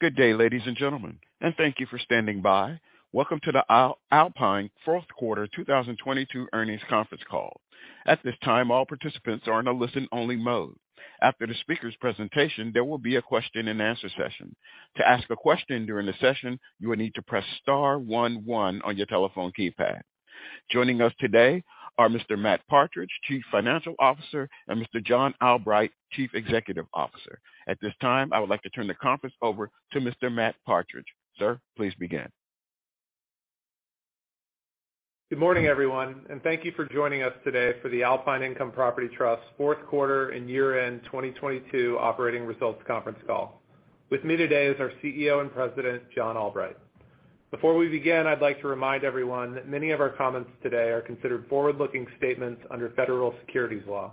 Good day, ladies and gentlemen, thank you for standing by. Welcome to the Alpine fourth quarter 2022 earnings conference call. At this time, all participants are in a listen-only mode. After the speaker's presentation, there will be a question-and-answer session. To ask a question during the session, you will need to press star one one on your telephone keypad. Joining us today are Mr. Matt Partridge, Chief Financial Officer, and Mr. John Albright, Chief Executive Officer. At this time, I would like to turn the conference over to Mr. Matt Partridge. Sir, please begin. Good morning, everyone, and thank you for joining us today for the Alpine Income Property Trust fourth quarter and year-end 2022 operating results conference call. With me today is our CEO and President, John Albright. Before we begin, I'd like to remind everyone that many of our comments today are considered forward-looking statements under federal securities law.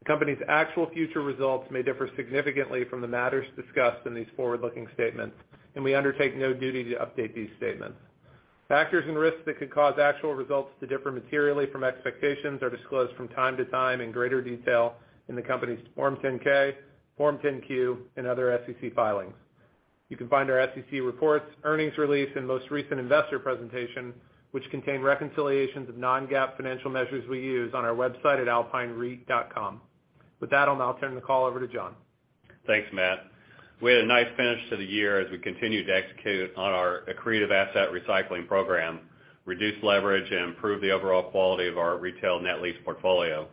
The company's actual future results may differ significantly from the matters discussed in these forward-looking statements, and we undertake no duty to update these statements. Factors and risks that could cause actual results to differ materially from expectations are disclosed from time to time in greater detail in the company's Form 10-K, Form 10-Q, and other SEC filings. You can find our SEC reports, earnings release, and most recent investor presentation, which contain reconciliations of non-GAAP financial measures we use on our website at alpinereit.com. With that, I'll now turn the call over to John. Thanks, Matt. We had a nice finish to the year as we continued to execute on our accretive asset recycling program, reduce leverage, and improve the overall quality of our retail net lease portfolio.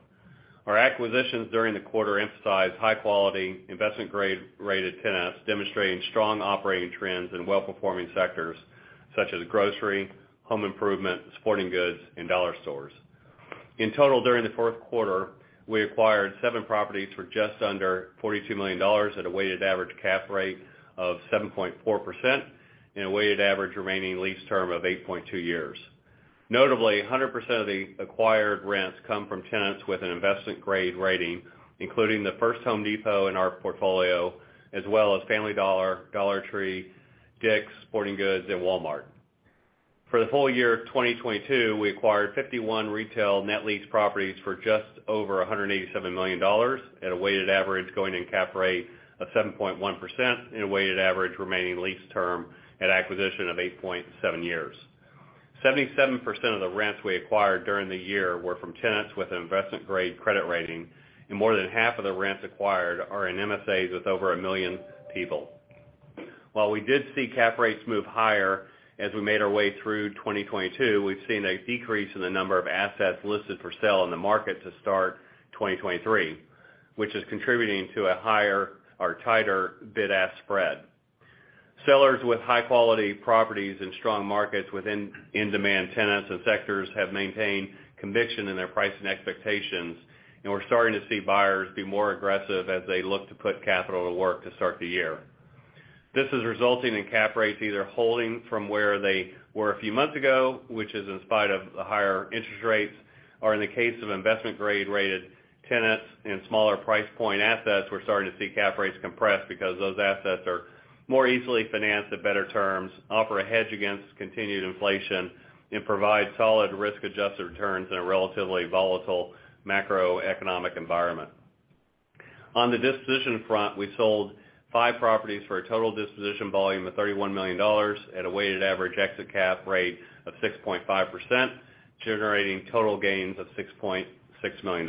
Our acquisitions during the quarter emphasized high-quality investment-grade-rated tenants, demonstrating strong operating trends in well-performing sectors such as grocery, home improvement, sporting goods, and dollar stores. In total, during the fourth quarter, we acquired seven properties for just under $42 million at a weighted average cap rate of 7.4% and a weighted average remaining lease term of 8.2 years. Notably, 100% of the acquired rents come from tenants with an investment-grade rating, including the first The Home Depot in our portfolio, as well as Family Dollar Tree, DICK'S Sporting Goods, and Walmart. For the full year of 2022, we acquired 51 retail net lease properties for just over $187 million at a weighted average going-in cap rate of 7.1% and a weighted average remaining lease term at acquisition of 8.7 years. 77% of the rents we acquired during the year were from tenants with an investment-grade credit rating, and more than half of the rents acquired are in MSAs with over 1 million people. While we did see cap rates move higher as we made our way through 2022, we've seen a decrease in the number of assets listed for sale in the market to start 2023, which is contributing to a higher or tighter bid-ask spread. Sellers with high-quality properties and strong markets within in-demand tenants and sectors have maintained conviction in their pricing expectations, and we're starting to see buyers be more aggressive as they look to put capital to work to start the year. This is resulting in cap rates either holding from where they were a few months ago, which is in spite of the higher interest rates, or in the case of investment grade-rated tenants and smaller price point assets, we're starting to see cap rates compress because those assets are more easily financed at better terms, offer a hedge against continued inflation, and provide solid risk-adjusted returns in a relatively volatile macroeconomic environment. On the disposition front, we sold five properties for a total disposition volume of $31 million at a weighted average exit cap rate of 6.5%, generating total gains of $6.6 million.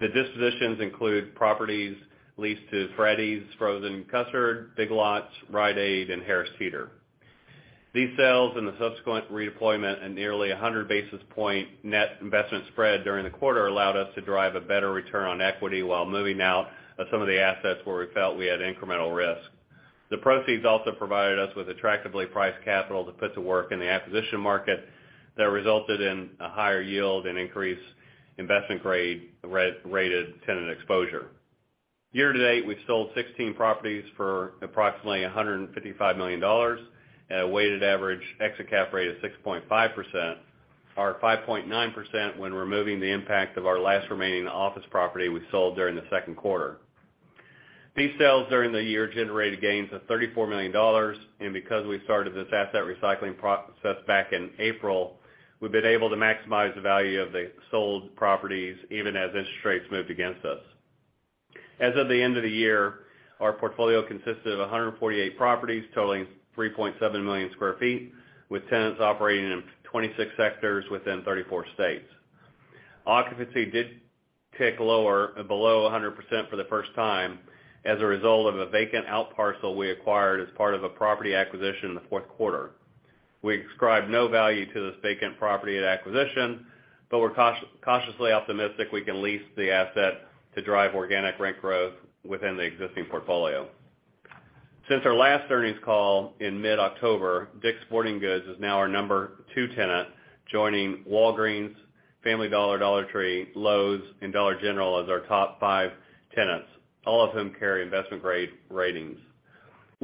The dispositions include properties leased to Freddy's Frozen Custard, Big Lots, Rite Aid, and Harris Teeter. These sales and the subsequent redeployment at nearly a 100 basis point net investment spread during the quarter allowed us to drive a better return on equity while moving out of some of the assets where we felt we had incremental risk. The proceeds also provided us with attractively priced capital to put to work in the acquisition market that resulted in a higher yield and increased investment-grade rated tenant exposure. Year to date, we've sold 16 properties for approximately $155 million at a weighted average exit cap rate of 6.5%, or 5.9% when removing the impact of our last remaining office property we sold during the second quarter. These sales during the year generated gains of $34 million. Because we started this asset recycling process back in April, we've been able to maximize the value of the sold properties even as interest rates moved against us. As of the end of the year, our portfolio consisted of 148 properties totaling 3.7 million sq ft, with tenants operating in 26 sectors within 34 states. Occupancy did tick lower, below 100% for the first time as a result of a vacant out parcel we acquired as part of a property acquisition in the fourth quarter. We ascribed no value to this vacant property at acquisition. We're cautiously optimistic we can lease the asset to drive organic rent growth within the existing portfolio. Since our last earnings call in mid-October, DICK'S Sporting Goods is now our number two tenant, joining Walgreens, Family Dollar, Dollar Tree, Lowe's, and Dollar General as our top five tenants, all of whom carry investment-grade ratings.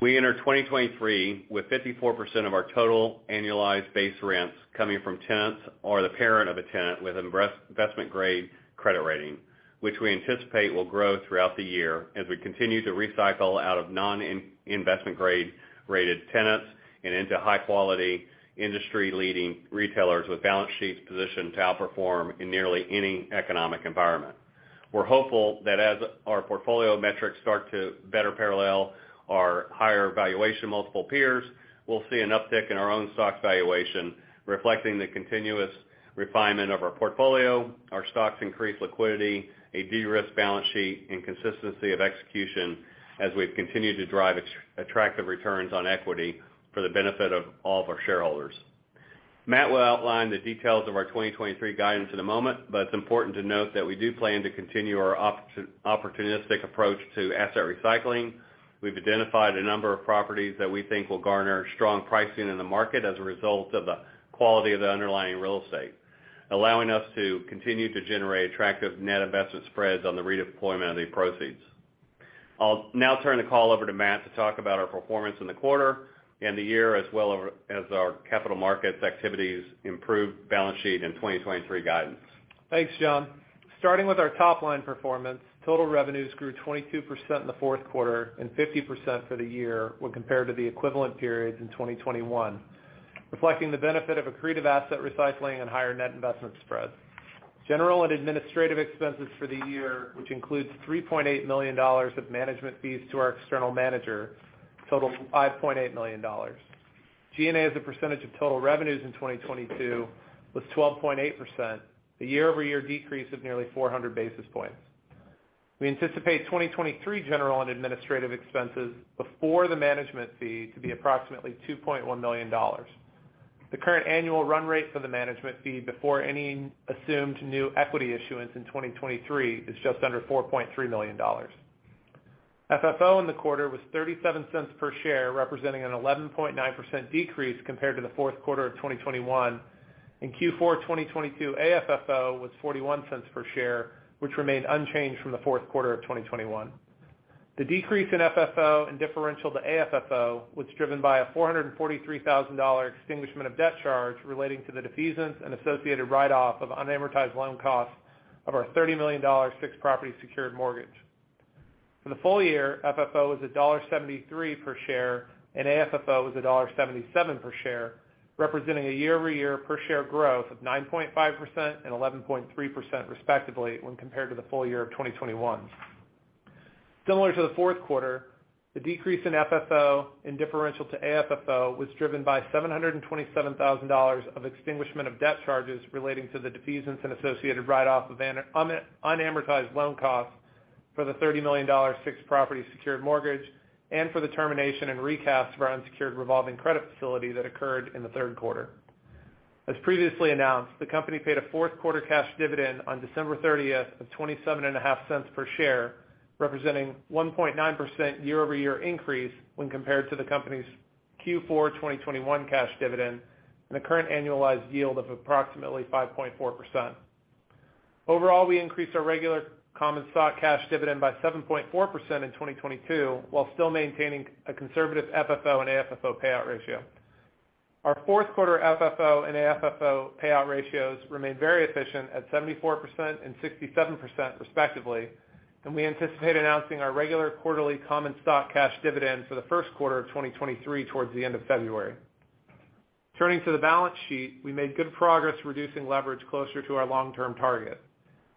We enter 2023 with 54% of our total annualized base rents coming from tenants or the parent of a tenant with investment-grade credit rating, which we anticipate will grow throughout the year as we continue to recycle out of non-investment grade-rated tenants and into high-quality, industry-leading retailers with balance sheets positioned to outperform in nearly any economic environment. We're hopeful that as our portfolio metrics start to better parallel our higher valuation multiple peers, we'll see an uptick in our own stock valuation, reflecting the continuous refinement of our portfolio, our stock's increased liquidity, a de-risked balance sheet, and consistency of execution as we've continued to drive attractive returns on equity for the benefit of all of our shareholders. Matt will outline the details of our 2023 guidance in a moment. It's important to note that we do plan to continue our opportunistic approach to asset recycling. We've identified a number of properties that we think will garner strong pricing in the market as a result of the quality of the underlying real estate, allowing us to continue to generate attractive net investment spreads on the redeployment of the proceeds. I'll now turn the call over to Matt to talk about our performance in the quarter and the year, as well as our capital markets activities, improved balance sheet in 2023 guidance. Thanks, John Albright. Starting with our top-line performance, total revenues grew 22% in the fourth quarter and 50% for the year when compared to the equivalent periods in 2021, reflecting the benefit of accretive asset recycling and higher net investment spreads. General and administrative expenses for the year, which includes $3.8 million of management fees to our external manager, total $5.8 million. G&A, as a percentage of total revenues in 2022, was 12.8%, a year-over-year decrease of nearly 400 basis points. We anticipate 2023 general and administrative expenses before the management fee to be approximately $2.1 million. The current annual run rate for the management fee before any assumed new equity issuance in 2023 is just under $4.3 million. FFO in the quarter was $0.37 per share, representing an 11.9% decrease compared to the fourth quarter of 2021. In Q4 2022, AFFO was $0.41 per share, which remained unchanged from the fourth quarter of 2021. The decrease in FFO and differential to AFFO was driven by a $443,000 extinguishment of debt charge relating to the defeasance and associated write-off of unamortized loan costs of our $30 million fixed property secured mortgage. For the full year, FFO was $1.73 per share, and AFFO was $1.77 per share, representing a year-over-year per share growth of 9.5% and 11.3% respectively when compared to the full year of 2021. Similar to the fourth quarter, the decrease in FFO and differential to AFFO was driven by $727,000 of extinguishment of debt charges relating to the defeasance and associated write-off of unamortized loan costs for the $30 million fixed property secured mortgage and for the termination and recast of our unsecured revolving credit facility that occurred in the third quarter. As previously announced, the company paid a fourth quarter cash dividend on December 30th of $0.275 per share, representing 1.9% year-over-year increase when compared to the company's Q4 2021 cash dividend and a current annualized yield of approximately 5.4%. Overall, we increased our regular common stock cash dividend by 7.4% in 2022, while still maintaining a conservative FFO and AFFO payout ratio. Our fourth quarter FFO and AFFO payout ratios remain very efficient at 74% and 67% respectively. We anticipate announcing our regular quarterly common stock cash dividend for the first quarter of 2023 towards the end of February. Turning to the balance sheet, we made good progress reducing leverage closer to our long-term target.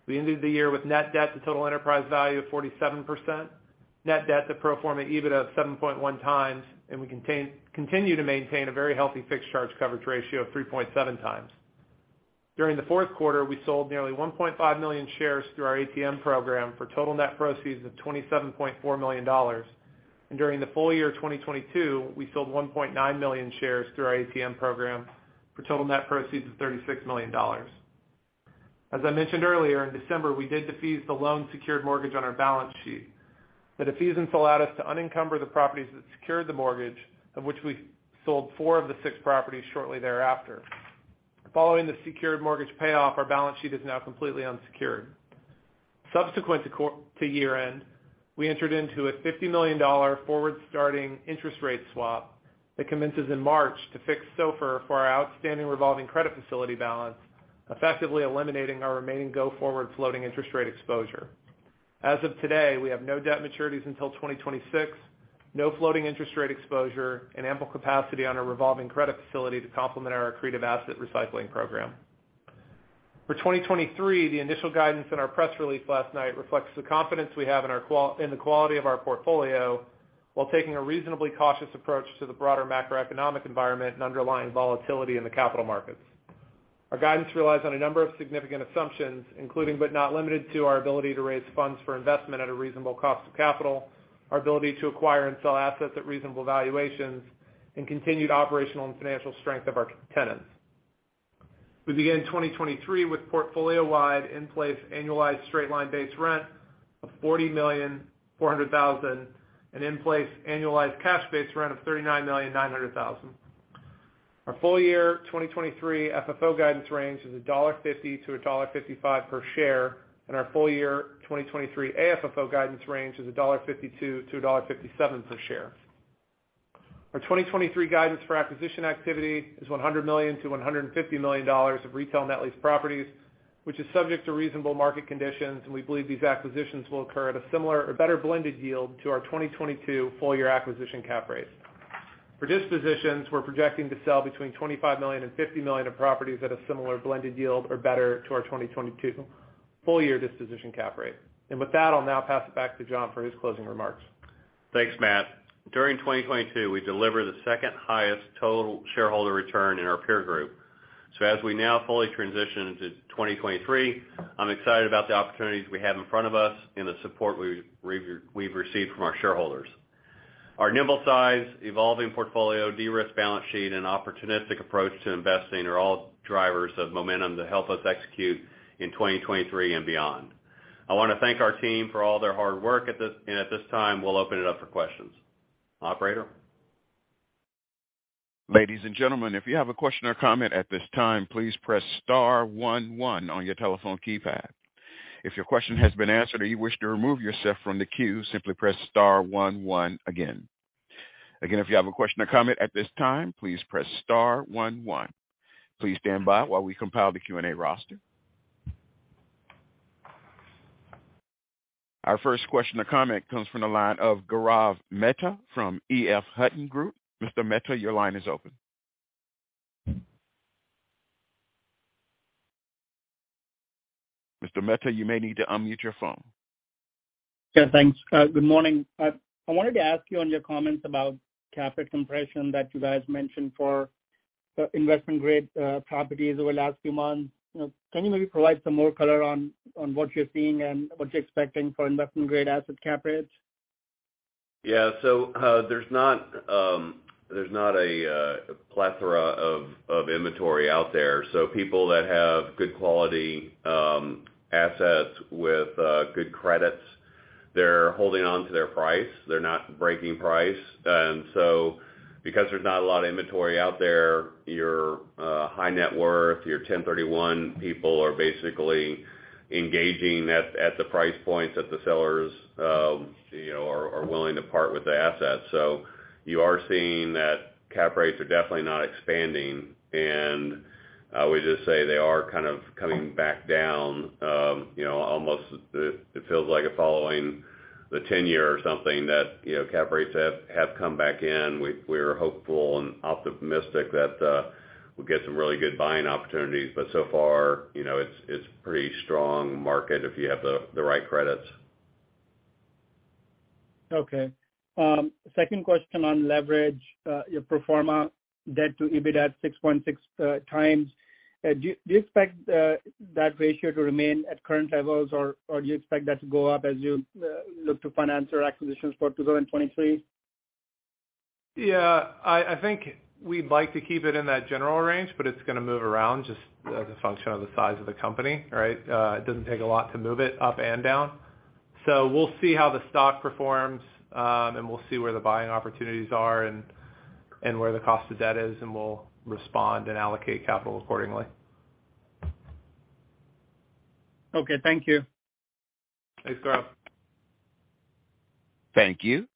We ended the year with net debt to total enterprise value of 47%, net debt to pro forma EBITDA of 7.1x, and we continue to maintain a very healthy fixed charge coverage ratio of 3.7x. During the fourth quarter, we sold nearly 1.5 million shares through our ATM program for total net proceeds of $27.4 million. During the full year 2022, we sold 1.9 million shares through our ATM program for total net proceeds of $36 million. As I mentioned earlier, in December, we did defease the loan-secured mortgage on our balance sheet. The defeasance allowed us to unencumber the properties that secured the mortgage, of which we sold four of the six properties shortly thereafter. Following the secured mortgage payoff, our balance sheet is now completely unsecured. Subsequent to year-end, we entered into a $50 million forward-starting interest rate swap that commences in March to fix SOFR for our outstanding revolving credit facility balance, effectively eliminating our remaining go-forward floating interest rate exposure. As of today, we have no debt maturities until 2026, no floating interest rate exposure, and ample capacity on our revolving credit facility to complement our accretive asset recycling program. For 2023, the initial guidance in our press release last night reflects the confidence we have in the quality of our portfolio while taking a reasonably cautious approach to the broader macroeconomic environment and underlying volatility in the capital markets. Our guidance relies on a number of significant assumptions, including but not limited to our ability to raise funds for investment at a reasonable cost of capital, our ability to acquire and sell assets at reasonable valuations, and continued operational and financial strength of our tenants. We begin 2023 with portfolio-wide in-place annualized straight-line base rent of $40,400,000 and in-place annualized cash base rent of $39,900,000. Our full year 2023 FFO guidance range is $1.50-$1.55 per share, and our full year 2023 AFFO guidance range is $1.52-$1.57 per share. Our 2023 guidance for acquisition activity is $100 million-$150 million of retail net lease properties, which is subject to reasonable market conditions, and we believe these acquisitions will occur at a similar or better blended yield to our 2022 full-year acquisition cap rates. For dispositions, we're projecting to sell between $25 million and $50 million of properties at a similar blended yield or better to our 2022 full year disposition cap rate. With that, I'll now pass it back to John for his closing remarks. Thanks, Matt. During 2022, we delivered the second highest total shareholder return in our peer group. As we now fully transition into 2023, I'm excited about the opportunities we have in front of us and the support we've received from our shareholders. Our nimble size, evolving portfolio, de-risked balance sheet, and opportunistic approach to investing are all drivers of momentum to help us execute in 2023 and beyond. I wanna thank our team for all their hard work at this. At this time, we'll open it up for questions. Operator? Ladies and gentlemen, if you have a question or comment at this time, please press star one one on your telephone keypad. If your question has been answered or you wish to remove yourself from the queue, simply press star one one again. Again, if you have a question or comment at this time, please press star one one. Please stand by while we compile the Q&A roster. Our first question or comment comes from the line of Gaurav Mehta from EF Hutton Group. Mr. Mehta, your line is open. Mr. Mehta, you may need to unmute your phone. Yeah, thanks. Good morning. I wanted to ask you on your comments about cap rate compression that you guys mentioned for investment-grade properties over the last few months. You know, can you maybe provide some more color on what you're seeing and what you're expecting for investment-grade asset cap rates? Yeah. there's not, there's not a plethora of inventory out there. People that have good quality, assets with good credits, they're holding onto their price. They're not breaking price. Because there's not a lot of inventory out there, your high net worth, your 1031 people are basically engaging at the price points that the sellers, you know, are willing to part with the assets. You are seeing that cap rates are definitely not expanding. We just say they are kind of coming back down, you know, almost it feels like following the 10-year or something that, you know, cap rates have come back in. We are hopeful and optimistic that we'll get some really good buying opportunities. So far, you know, it's pretty strong market if you have the right credits. Okay. Second question on leverage. Your pro forma debt to EBITDA at 6.6x. Do you expect that ratio to remain at current levels or do you expect that to go up as you look to finance your acquisitions for 2023? Yeah. I think we'd like to keep it in that general range, but it's gonna move around just as a function of the size of the company, right? It doesn't take a lot to move it up and down. We'll see how the stock performs, and we'll see where the buying opportunities are and where the cost of debt is, and we'll respond and allocate capital accordingly. Okay, thank you. Thanks, Gaurav. Thank you.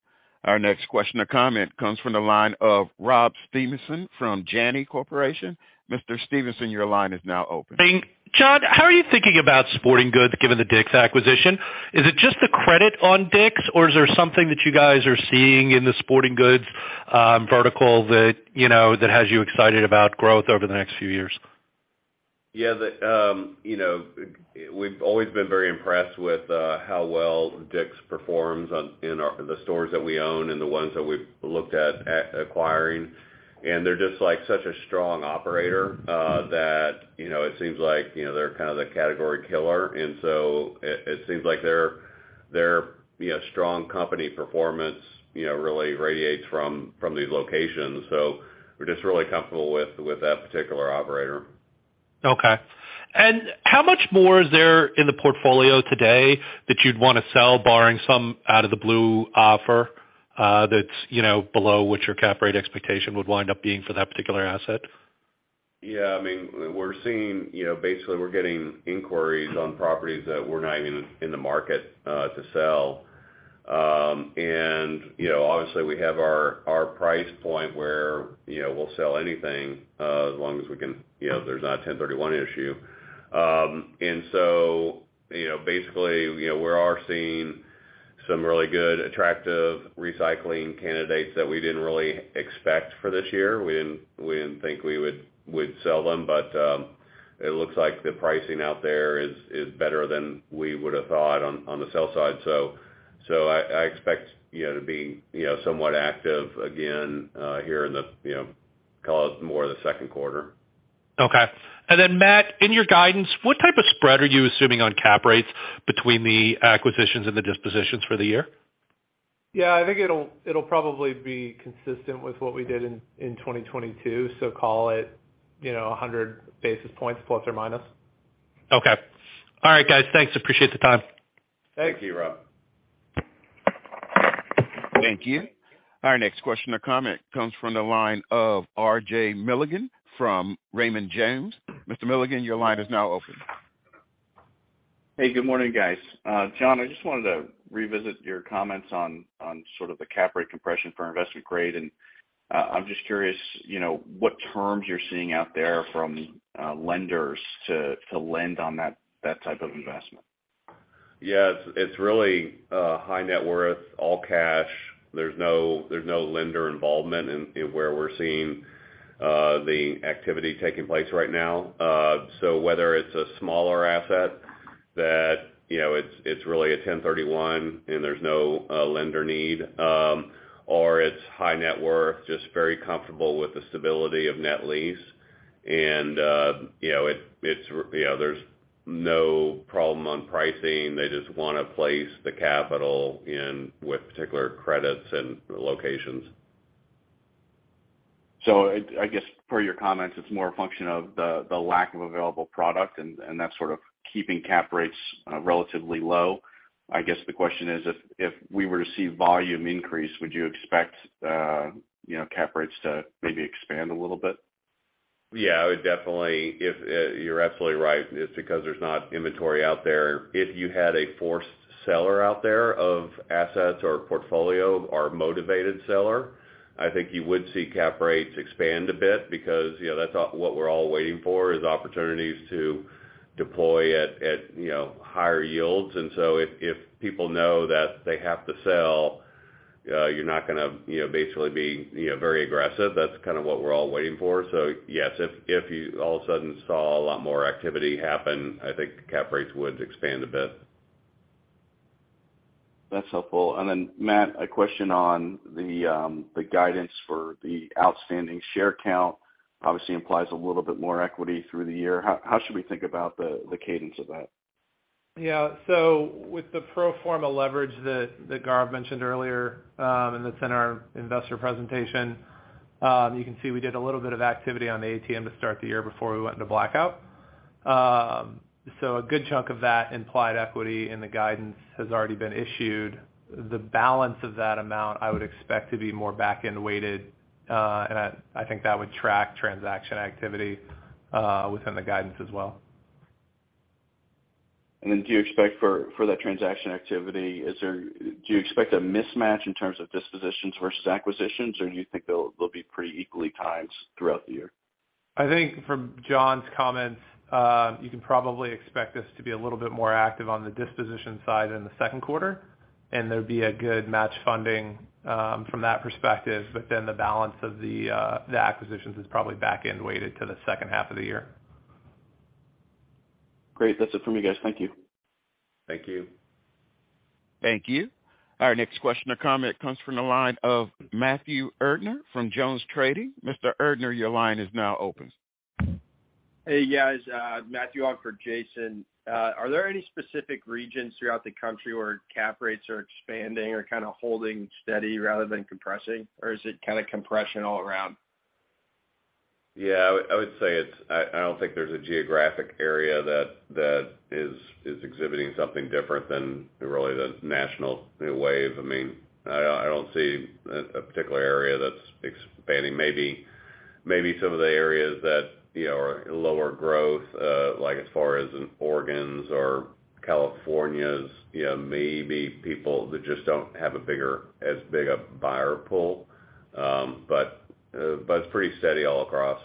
Our next question or comment comes from the line of Rob Stevenson from Janney Corporation. Mr. Stevenson, your line is now open. Thanks. John, how are you thinking about sporting goods given the DICK'S acquisition? Is it just the credit on DICK'S, or is there something that you guys are seeing in the sporting goods, vertical that, you know, that has you excited about growth over the next few years? The, you know, we've always been very impressed with how well DICK'S performs in the stores that we own and the ones that we've looked at acquiring. They're just like such a strong operator that, you know, it seems like, you know, they're kind of the category killer. It seems like their, you know, strong company performance, you know, really radiates from these locations. We're just really comfortable with that particular operator. Okay. How much more is there in the portfolio today that you'd wanna sell barring some out of the blue offer, that's, you know, below what your cap rate expectation would wind up being for that particular asset? Yeah, I mean, we're seeing, you know, basically we're getting inquiries on properties that we're not even in the market to sell. You know, obviously, we have our price point where, you know, we'll sell anything as long as we can, you know, there's not a 1031 issue. Basically, you know, we are seeing some really good attractive recycling candidates that we didn't think we'd sell them. It looks like the pricing out there is better than we would've thought on the sell side. I expect, you know, to be, you know, somewhat active again here in the, you know, call it more the second quarter. Okay. Then Matt, in your guidance, what type of spread are you assuming on cap rates between the acquisitions and the dispositions for the year? Yeah, I think it'll probably be consistent with what we did in 2022. Call it, you know, 100 basis points ±. Okay. All right, guys. Thanks. Appreciate the time. Thank you, Rob. Thank you. Our next question or comment comes from the line of RJ Milligan from Raymond James. Mr. Milligan, your line is now open. Hey, good morning, guys. John, I just wanted to revisit your comments on sort of the cap rate compression for investment grade. I'm just curious, you know, what terms you're seeing out there from lenders to lend on that type of investment? Yes, it's really, high net worth, all cash. There's no lender involvement in where we're seeing the activity taking place right now. Whether it's a smaller asset that, you know, it's really a 1031 and there's no lender need, or it's high net worth, just very comfortable with the stability of net lease. You know, there's no problem on pricing. They just wanna place the capital in with particular credits and locations. I guess, per your comments, it's more a function of the lack of available product and that's sort of keeping cap rates relatively low. I guess the question is, if we were to see volume increase, would you expect, you know, cap rates to maybe expand a little bit? Yeah, I would definitely, if you're absolutely right. It's because there's not inventory out there. If you had a forced seller out there of assets or portfolio or motivated seller, I think you would see cap rates expand a bit because, you know, what we're all waiting for is opportunities to deploy at, you know, higher yields. If people know that they have to sell, you're not gonna, you know, basically be, you know, very aggressive. That's kind of what we're all waiting for. Yes, if you all of a sudden saw a lot more activity happen, I think cap rates would expand a bit. That's helpful. Then Matt, a question on the guidance for the outstanding share count obviously implies a little bit more equity through the year. How should we think about the cadence of that? With the pro forma leverage that Gaurav mentioned earlier, and that's in our investor presentation, you can see we did a little bit of activity on the ATM to start the year before we went into blackout. A good chunk of that implied equity in the guidance has already been issued. The balance of that amount, I would expect to be more back-end weighted, and I think that would track transaction activity within the guidance as well. Do you expect for that transaction activity, do you expect a mismatch in terms of dispositions versus acquisitions, or do you think they'll be pretty equally timed throughout the year? I think from John's comments, you can probably expect us to be a little bit more active on the disposition side in the second quarter, and there'd be a good match funding from that perspective. The balance of the acquisitions is probably back-end weighted to the second half of the year. Great. That's it for me, guys. Thank you. Thank you. Thank you. Our next question or comment comes from the line of Matthew Erdner from JonesTrading. Mr. Erdner, your line is now open. Hey, guys. Matthew on for Jason. Are there any specific regions throughout the country where cap rates are expanding or kind of holding steady rather than compressing, or is it kind of compression all around? I would say I don't think there's a geographic area that is exhibiting something different than really the national wave. I mean, I don't see a particular area that's expanding. Maybe some of the areas that, you know, are lower growth, like as far as in Oregons or Californias, you know, maybe people that just don't have as big a buyer pool. But it's pretty steady all across.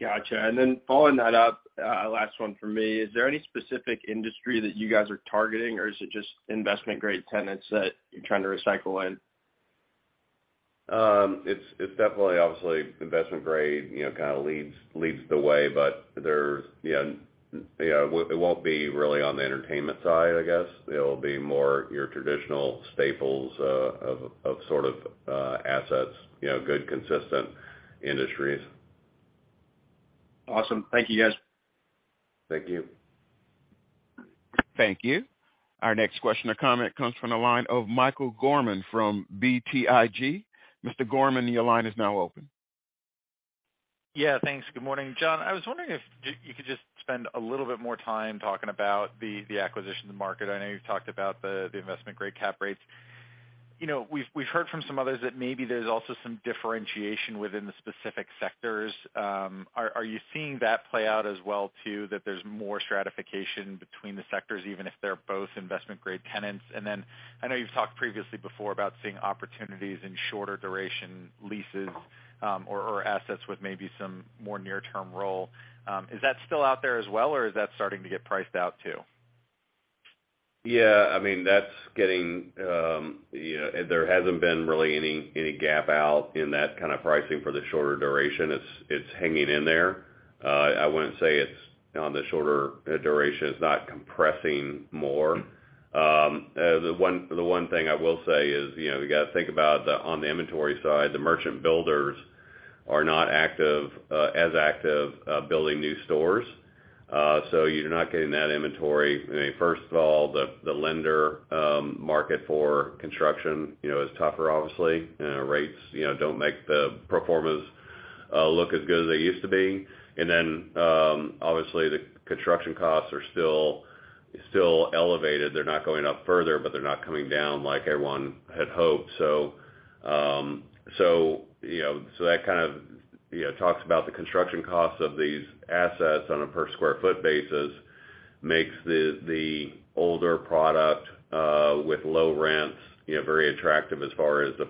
Gotcha. Following that up, last one from me. Is there any specific industry that you guys are targeting, or is it just investment-grade tenants that you're trying to recycle in? It's definitely obviously investment grade, you know, kind of leads the way. There's, you know, it won't be really on the entertainment side, I guess. It'll be more your traditional staples, of sort of assets, you know, good, consistent industries. Awesome. Thank you, guys. Thank you. Thank you. Our next question or comment comes from the line of Michael Gorman from BTIG. Mr. Gorman, your line is now open. Yeah. Thanks. Good morning. John, I was wondering if you could just spend a little bit more time talking about the acquisition market. I know you've talked about the investment-grade cap rates. You know, we've heard from some others that maybe there's also some differentiation within the specific sectors. Are you seeing that play out as well too, that there's more stratification between the sectors, even if they're both investment-grade tenants? I know you've talked previously before about seeing opportunities in shorter duration leases, or assets with maybe some more near-term roll. Is that still out there as well, or is that starting to get priced out too? Yeah, I mean, that's getting, you know. There hasn't been really any gap out in that kind of pricing for the shorter duration. It's hanging in there. I wouldn't say it's on the shorter duration. It's not compressing more. The one thing I will say is, you know, you gotta think about on the inventory side, the merchant builders are not as active building new stores. You're not getting that inventory. I mean, first of all, the lender market for construction, you know, is tougher obviously. You know, rates, you know, don't make the pro formas look as good as they used to be. Obviously the construction costs are still elevated. They're not going up further, but they're not coming down like everyone had hoped. You know, so that kind of, you know, talks about the construction costs of these assets on a per square foot basis makes the older product, with low rents, you know, very attractive as far as the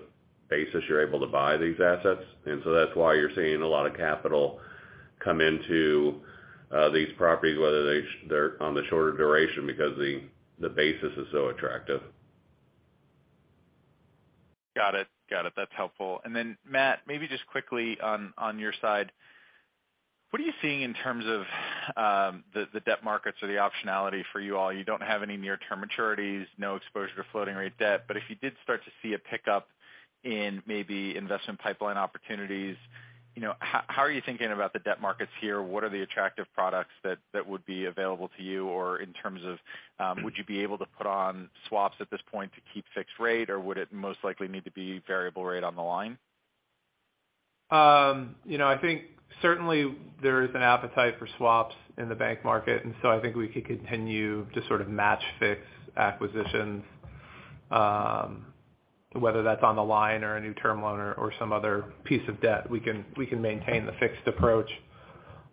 basis you're able to buy these assets. That's why you're seeing a lot of capital come into these properties, whether they're on the shorter duration because the basis is so attractive. Got it. Got it. That's helpful. Matt, maybe just quickly on your side. What are you seeing in terms of the debt markets or the optionality for you all? You don't have any near-term maturities, no exposure to floating rate debt. If you did start to see a pickup in maybe investment pipeline opportunities, you know, how are you thinking about the debt markets here? What are the attractive products that would be available to you, or in terms of, would you be able to put on swaps at this point to keep fixed rate or would it most likely need to be variable rate on the line? You know, I think certainly there is an appetite for swaps in the bank market. I think we could continue to sort of match fix acquisitions, whether that's on the line or a new term loan or some other piece of debt, we can, we can maintain the fixed approach.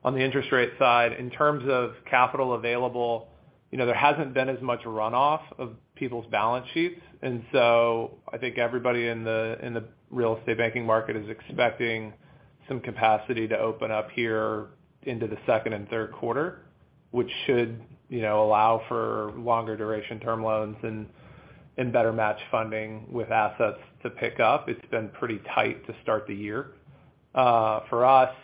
On the interest rate side, in terms of capital available, you know, there hasn't been as much runoff of people's balance sheets. I think everybody in the, in the real estate banking market is expecting some capacity to open up here into the second and third quarter, which should, you know, allow for longer duration term loans and better match funding with assets to pick up. It's been pretty tight to start the year. For us,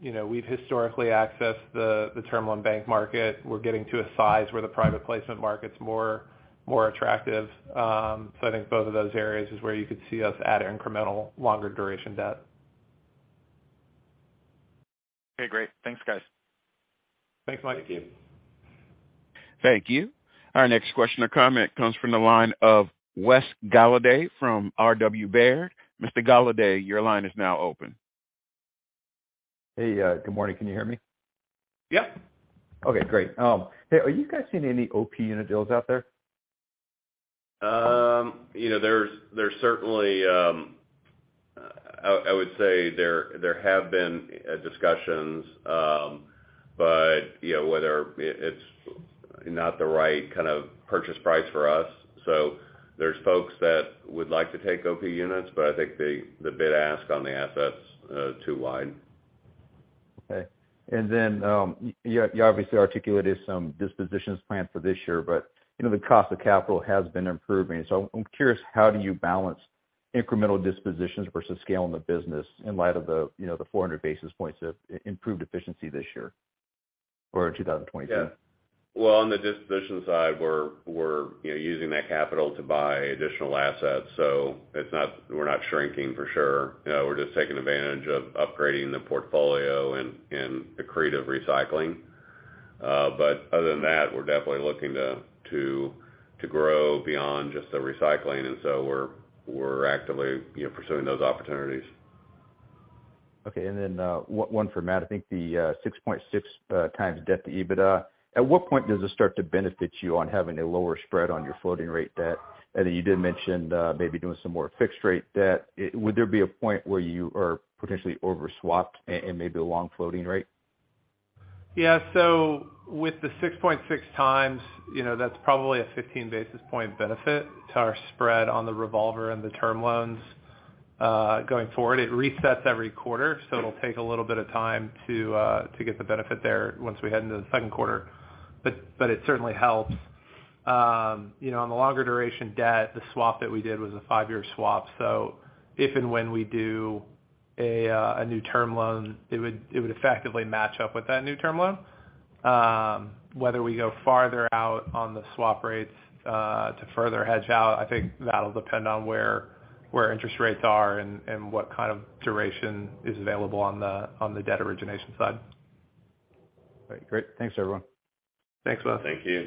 you know, we've historically accessed the term loan bank market. We're getting to a size where the private placement market's more attractive. I think both of those areas is where you could see us add incremental longer duration debt. Okay, great. Thanks, guys. Thanks, Michael. Thank you. Thank you. Our next question or comment comes from the line of Wes Golladay from RW Baird. Mr. Golladay, your line is now open. Hey, good morning. Can you hear me? Yep. Okay, great. hey, are you guys seeing any OP unit deals out there? You know, there's certainly I would say there have been discussions, but, you know, whether it's not the right kind of purchase price for us. There's folks that would like to take OP units, but I think the bid ask on the assets are too wide. Okay. You obviously articulated some dispositions planned for this year, but, you know, the cost of capital has been improving. I'm curious, how do you balance incremental dispositions versus scaling the business in light of the, you know, the 400 basis points of improved efficiency this year or in 2022? Yeah. Well, on the disposition side, we're, you know, using that capital to buy additional assets. We're not shrinking for sure. You know, we're just taking advantage of upgrading the portfolio and accretive recycling. Other than that, we're definitely looking to grow beyond just the recycling. We're actively, you know, pursuing those opportunities. Okay. One for Matt. I think the 6.6x debt to EBITDA, at what point does this start to benefit you on having a lower spread on your floating rate debt? I know you did mention maybe doing some more fixed rate debt. Would there be a point where you are potentially over-swapped and maybe long floating rate? Yeah. With the 6.6x, you know, that's probably a 15 basis point benefit to our spread on the revolver and the term loans going forward. It resets every quarter, so it'll take a little bit of time to get the benefit there once we head into the second quarter, but it certainly helps. You know, on the longer duration debt, the swap that we did was a five year swap. So if and when we do a new term loan, it would effectively match up with that new term loan. Whether we go farther out on the swap rates to further hedge out, I think that'll depend on where interest rates are and what kind of duration is available on the debt origination side. Great. Thanks, everyone. Thanks, Wes. Thank you.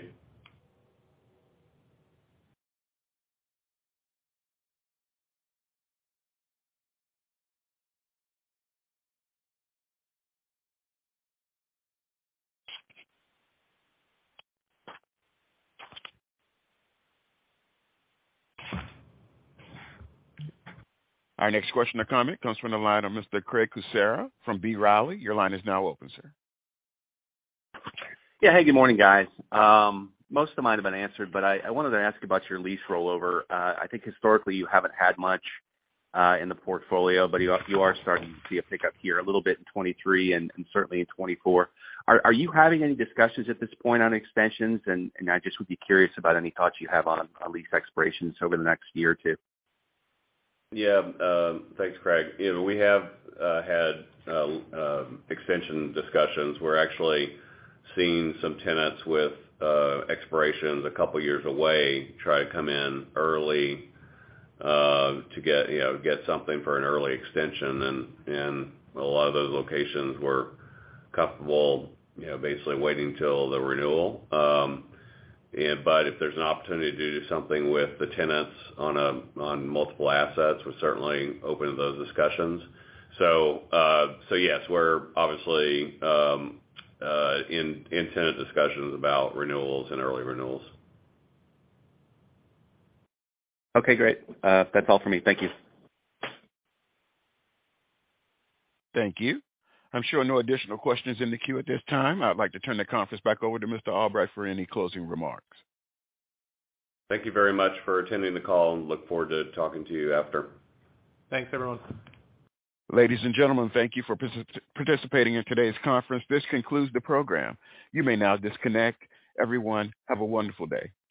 Our next question or comment comes from the line of Mr. Craig Kucera from B. Riley. Your line is now open, sir. Yeah. Hey, good morning, guys. Most of mine have been answered, but I wanted to ask about your lease rollover. I think historically, you haven't had much in the portfolio, but you are starting to see a pickup here a little bit in 2023 and certainly in 2024. Are you having any discussions at this point on extensions? I just would be curious about any thoughts you have on lease expirations over the next year or two. Yeah. Thanks, Craig. You know, we have had extension discussions. We're actually seeing some tenants with expirations a couple years away try to come in early to get, you know, get something for an early extension. A lot of those locations we're comfortable, you know, basically waiting till the renewal. If there's an opportunity to do something with the tenants on multiple assets, we're certainly open to those discussions. Yes, we're obviously in tenant discussions about renewals and early renewals. Okay, great. That's all for me. Thank you. Thank you. I'm showing no additional questions in the queue at this time. I'd like to turn the conference back over to Mr. Albright for any closing remarks. Thank you very much for attending the call and look forward to talking to you after. Thanks, everyone. Ladies and gentlemen, thank you for participating in today's conference. This concludes the program. You may now disconnect. Everyone, have a wonderful day.